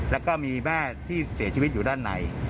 แล้วก็มีแม่ที่เสียชีวิตอยู่ด้านใน